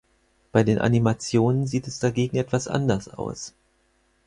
Bei den Animationen sieht es dagegen etwas anders aus.